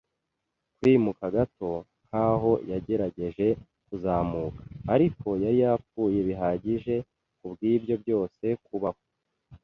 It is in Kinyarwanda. kwimuka gato, nkaho yagerageje kuzamuka. Ariko yari yapfuye bihagije, kubwibyo byose, kubaho